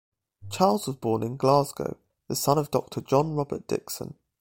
Charles was born in Glasgow the son of Doctor John Robert Dickson.